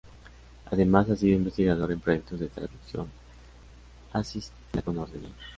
Además, ha sido investigador en proyectos de traducción asistida con ordenador.